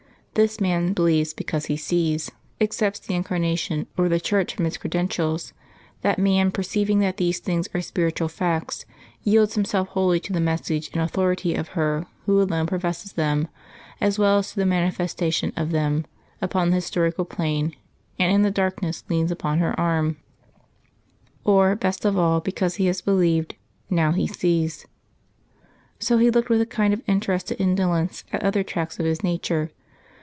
This man believes because he sees accepts the Incarnation or the Church from its credentials; that man, perceiving that these things are spiritual facts, yields himself wholly to the message and authority of her who alone professes them, as well as to the manifestation of them upon the historical plane; and in the darkness leans upon her arm. Or, best of all, because he has believed, now he sees. So he looked with a kind of interested indolence at other tracts of his nature.